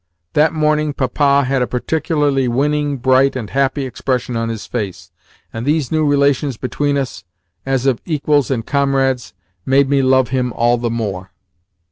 That morning Papa had a particularly winning, bright, and happy expression on his face, and these new relations between us, as of equals and comrades, made me love him all the more.